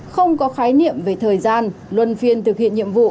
không có khái niệm về thời gian luân phiên thực hiện nhiệm vụ